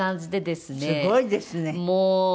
すごいですね。